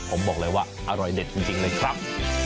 ผมบอกเลยว่าอร่อยเด็ดจริงเลยครับ